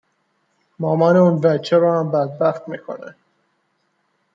مامانِ اون بچه رو هم بدبخت میکنه